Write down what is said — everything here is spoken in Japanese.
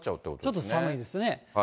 ちょっと寒いですね。